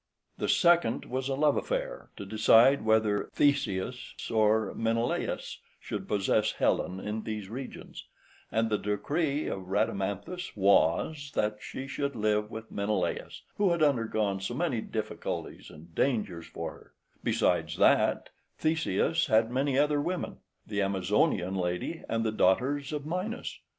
The second was a love affair, to decide whether Theseus or Menelaus should possess Helen in these regions; and the decree of Rhadamanthus was, that she should live with Menelaus, who had undergone so many difficulties and dangers for her; besides, that Theseus had other women, the Amazonian lady and the daughters of Minos.